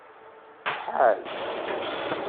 Ḥaz.